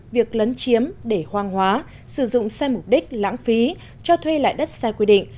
việc lấn chiếm để hoang hóa sử dụng sai mục đích lãng phí cho thuê lại đất sai quy định